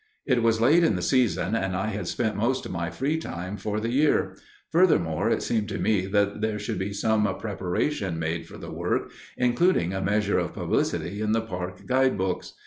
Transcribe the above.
It was late in the season and I had spent most of my free time for the year. Furthermore, it seemed to me that there should be some preparation made for the work, including a measure of publicity in the park guidebooks.